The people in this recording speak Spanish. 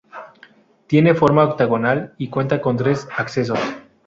Tiene forma octogonal y cuenta con tres accesos.